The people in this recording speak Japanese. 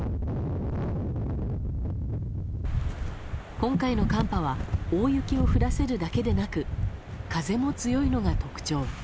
今回の寒波は大雪を降らせるだけでなく風も強いのが特徴。